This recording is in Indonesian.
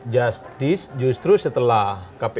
just this justru setelah kpu mengumumkan